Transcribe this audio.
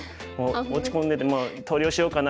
落ち込んでて「もう投了しようかな？